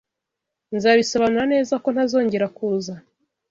Nzabisobanura neza ko ntazongera kuza.